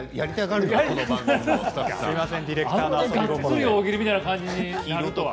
がっつり大喜利みたいに。